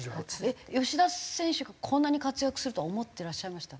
えっ吉田選手がこんなに活躍するとは思ってらっしゃいました？